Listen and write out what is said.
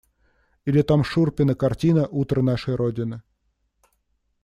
Или там Шурпина картина «Утро нашей родины».